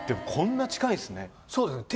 そうですね。